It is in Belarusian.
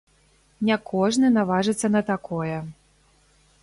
Не кожны наважыцца на такое.